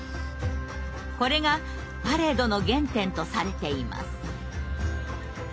これがパレードの原点とされています。